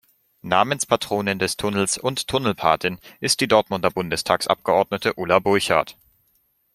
Namenspatronin des Tunnels und Tunnelpatin ist die Dortmunder Bundestagsabgeordnete Ulla Burchardt.